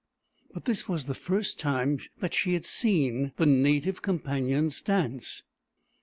But this was the first time that she had seen the Native Companions dance.